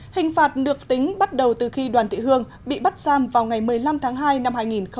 hình phạt được tính bắt đầu từ khi đoàn thị hương bị bắt giam vào ngày một mươi năm tháng hai năm hai nghìn một mươi chín